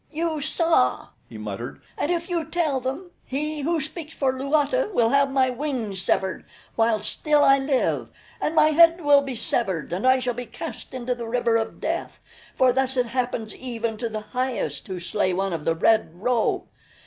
"You saw," he muttered, "and if you tell them, He Who Speaks for Luata will have my wings severed while still I live and my head will be severed and I shall be cast into the River of Death, for thus it happens even to the highest who slay one of the red robe.